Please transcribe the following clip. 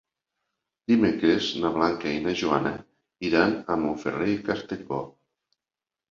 Dimecres na Blanca i na Joana iran a Montferrer i Castellbò.